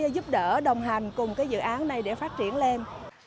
giúp đỡ đồng hành cùng cái dự án này để phát triển lên